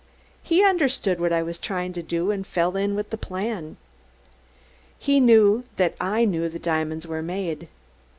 He understood what I was trying to do, and fell in with the plan. He knew that I knew the diamonds were made.